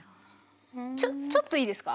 ちょちょっといいですか？